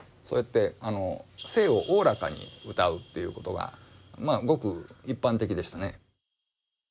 そうやって性をおおらかに歌うっていうことがまあごく一般的でしたね。